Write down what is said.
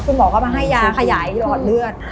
คุณหมอก็มาให้ยาขยายหลอดเลือด